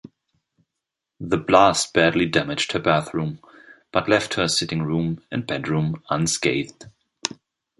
The blast badly damaged her bathroom, but left her sitting room and bedroom unscathed.